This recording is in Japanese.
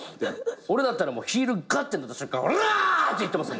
俺だったらヒールがってなった瞬間おらぁ！！って言ってます